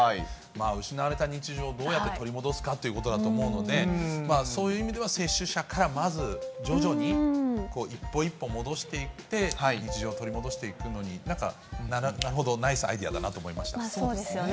失われた日常をどうやって取り戻すかというだと思うので、そういう意味では接種者から、まず徐々に一歩一歩戻していって、日常を取り戻していくのに、なんか、なるほど、ナイスアイデそうですよね。